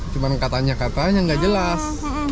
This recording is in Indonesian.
cuma katanya katanya nggak jelas